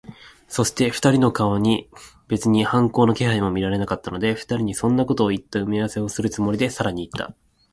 そして、二人の顔に別に反抗の気配も見られなかったので、二人にそんなことをいった埋合せをするつもりで、さらにいった。